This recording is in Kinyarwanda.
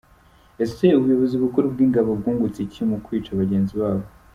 Ese ubuyobozi bukuru bw’ingabo bwungutse iki mu kwica bagenzi babo?